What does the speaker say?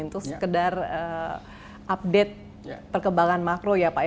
untuk sekedar update perkembangan makro ya pak ya